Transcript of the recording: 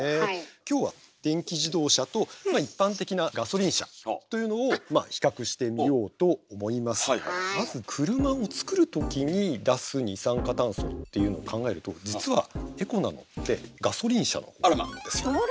今日は電気自動車とまあ一般的なガソリン車というのを比較してみようと思いますがまず車を作る時に出す二酸化炭素っていうのを考えると実はエコなのってガソリン車のほうなんですよ。